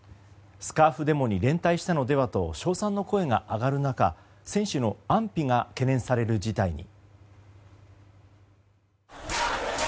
スカーフデモに連帯したのではと称賛の声が上がる中選手の安否が懸念される事態に。